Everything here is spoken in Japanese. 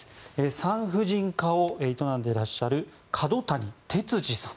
産婦人科を営んでらっしゃる角谷哲司さん。